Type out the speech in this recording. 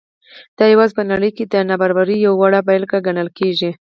دا یوازې په نړۍ کې د نابرابرۍ یوه وړه بېلګه ګڼل کېږي.